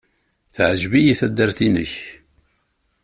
Teɛjeb-iyi taddart-nnek.